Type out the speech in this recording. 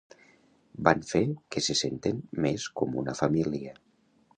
Van fer que se senten més com una família.